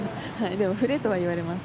でも振れとは言われます。